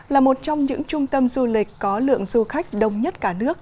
là một trong những trung tâm du lịch có lượng du khách đông nhất cả nước